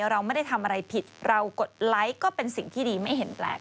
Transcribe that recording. เราไม่ได้ทำอะไรผิดเรากดไลค์ก็เป็นสิ่งที่ดีไม่เห็นแปลก